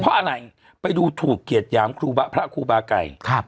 เพราะอะไรไปดูถูกเกียจยามครูบะพระครูบาไก่ครับ